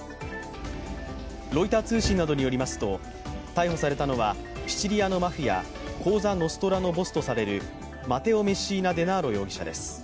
ロイター通信などによりますと逮捕されたのはシチリアのマフィア、コーザ・ノストラのボスとされる、マテオ・メッシーナ・デナーロ容疑者です。